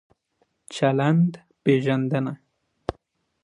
چلند پېژندنه